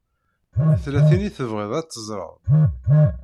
Tella tin i tebɣiḍ ad teẓṛeḍ?